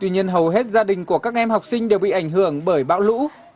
tuy nhiên hầu hết gia đình của các em học sinh đều bị ảnh hưởng bởi bão lũ